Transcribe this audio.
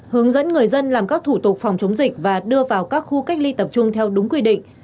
hướng dẫn người dân làm các thủ tục phòng chống dịch và đưa vào các khu cách ly tập trung theo đúng quy định